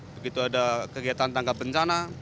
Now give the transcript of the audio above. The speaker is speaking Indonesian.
begitu ada kegiatan tangkap bencana